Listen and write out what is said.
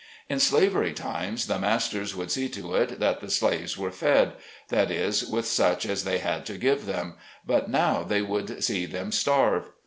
In slavery times the masters would see to it, that the slaves were fed — that is, with such as they had to give them, but now, they would see them starve.